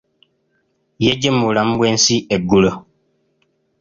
Yeggye mu bulamu bw'ensi eggulo.